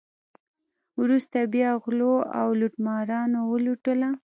وروسته بیا غلو او لوټمارانو ولوټله.